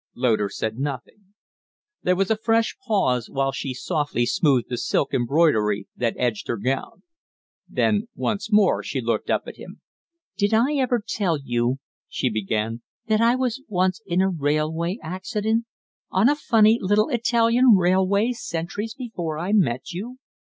Loder said nothing. There was a fresh pause while she softly smoothed the silk embroidery that edged her gown. Then once more she looked up at him. "Did I ever tell you," she began, "that I was once in a railway accident on a funny little Italian railway, centuries before I met you?"